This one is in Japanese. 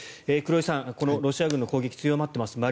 黒井さん、このロシア軍の攻撃が強まっています。